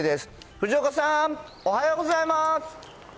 藤岡さん、おはようございます。